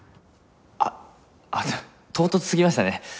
あっ唐突すぎましたね。